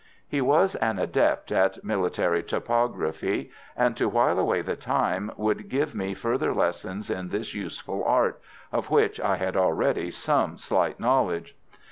He was an adept at military topography, and, to while away the time, would give me further lessons in this useful art, of which I had already some slight knowledge.